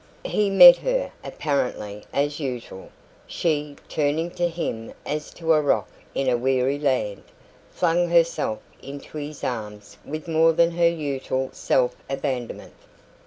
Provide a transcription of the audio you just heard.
He met her, apparently, as usual. She, turning to him as to a rock in a weary land, flung herself into his arms with more than her usual self abandonment.